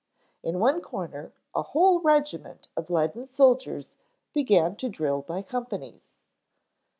In one corner a whole regiment of leaden soldiers began to drill by companies.